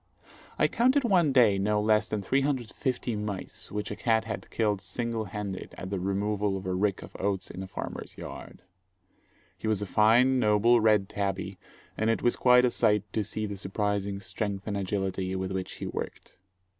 I counted one day no less than 350 mice which a cat had killed single handed at the removal of a rick of oats in a farmer's yard. He was a fine, noble, red tabby, and it was quite a sight to see the surprising strength and agility with which he worked.